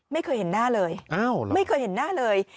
ไม่เคยเห็นหน้าเลยไม่เคยเห็นหน้าเลย